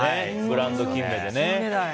ブランドキンメでね。